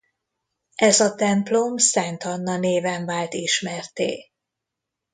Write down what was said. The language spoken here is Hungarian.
Ez a templom Szent Anna néven vált ismertté.